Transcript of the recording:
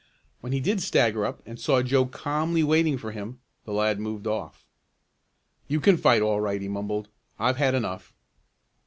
When he did stagger up, and saw Joe calmly waiting for him, the lad moved off. "You can fight all right," he mumbled. "I've had enough."